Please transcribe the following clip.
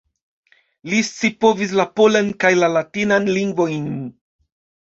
Li scipovis la polan kaj la latinan lingvojn.